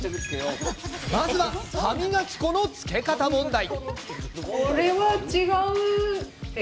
まずは、歯磨き粉のつけ方問題。